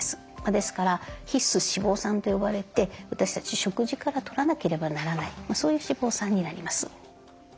ですから必須脂肪酸と呼ばれて私たち食事からとらなければならないそういう脂肪酸になります。